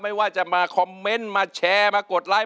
ไม่ว่าจะมาคอมเมนต์มาแชร์มากดไลค์